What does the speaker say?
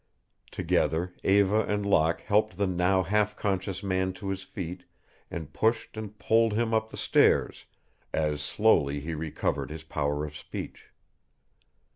Together Eva and Locke helped the now half conscious man to his feet and pushed and pulled him up the stairs; as slowly he recovered his power of speech.